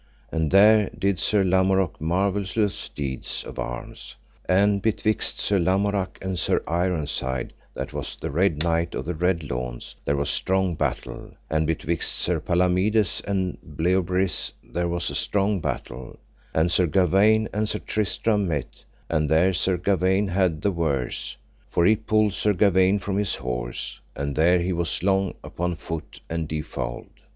And there did Sir Lamorak marvellous deeds of arms; and betwixt Sir Lamorak and Sir Ironside, that was the Red Knight of the Red Launds, there was strong battle; and betwixt Sir Palamides and Bleoberis there was a strong battle; and Sir Gawaine and Sir Tristram met, and there Sir Gawaine had the worse, for he pulled Sir Gawaine from his horse, and there he was long upon foot, and defouled.